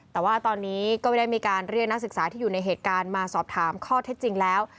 แต่ว่าตอนนี้ก็ไม่ได้มีการเรียกนักศึกษาที่อยู่ในเหตุการณ์มาสอบถามข้อเท็จจริงแล้ว